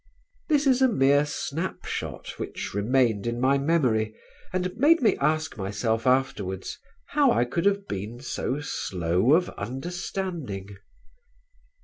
This is a mere snap shot which remained in my memory, and made me ask myself afterwards how I could have been so slow of understanding.